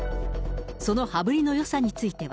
その羽振りのよさについては。